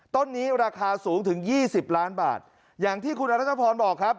ต้นนี้ราคาสูงถึงยี่สิบล้านบาทอย่างที่คุณอรัชพรบอกครับ